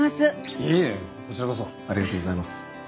いえこちらこそありがとうございます。